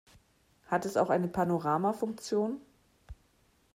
Hat es auch eine Panorama-Funktion?